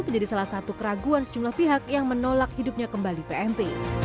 menjadi salah satu keraguan sejumlah pihak yang menolak hidupnya kembali pmp